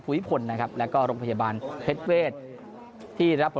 ผู้ยผลนะครับแล้วก็โรงพยาบานเทคเวตที่ได้รับผล